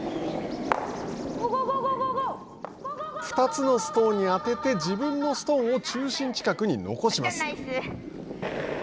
２つのストーンに当てて自分のストーンを中心近くに残します。